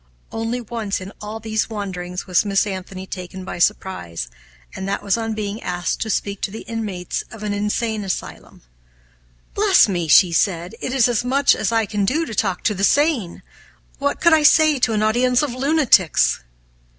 Only once in all these wanderings was Miss Anthony taken by surprise, and that was on being asked to speak to the inmates of an insane asylum. "Bless me!" said she, "it is as much as I can do to talk to the sane! What could I say to an audience of lunatics?"